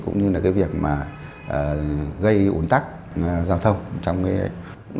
cũng như là cái việc mà gây ồn tắc giao thông